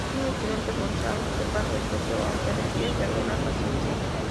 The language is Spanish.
Es un excelente bonsái o planta de seto, aunque requiere de alguna paciencia.